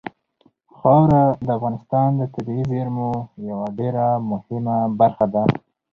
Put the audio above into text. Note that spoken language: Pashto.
خاوره د افغانستان د طبیعي زیرمو یوه ډېره مهمه برخه ده.